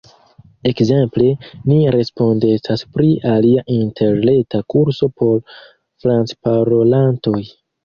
Ekzemple, ni respondecas pri alia interreta kurso por francparolantoj.